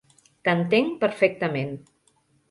T'entenc perfectament.